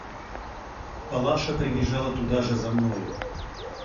Палаша прибежала туда же за мною.